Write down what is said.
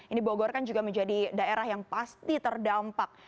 ini bogor kan juga menjadi daerah yang pasti terdampak